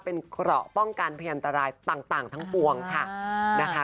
เป็นเกราะป้องกันเพียรตรายต่างทางปวงค่ะ